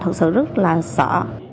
thật sự rất là sợ